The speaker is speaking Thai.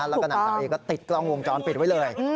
แล้วก็นั่นต่อไปก็ติดกล้องวงจรปิดไว้เลย